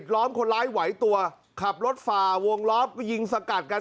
ของคนร้ายไหวตัวขับรถฝาวงรอบยิงสกัดกัน